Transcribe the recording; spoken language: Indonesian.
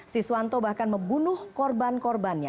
siswanto bahkan membunuh korban korbannya